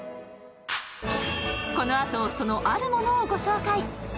このあとそのあるものをご紹介